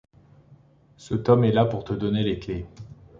Ce tome est là pour te donner les clés.